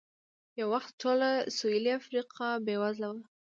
یو وخت ټوله سوېلي افریقا بېوزله وه.